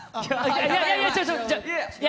いやいや！